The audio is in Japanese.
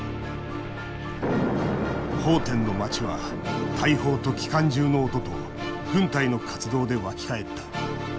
「奉天の街は大砲と機関銃の音と軍隊の活動で沸き返った。